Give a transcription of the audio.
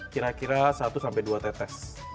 kira kira satu sampai dua tetes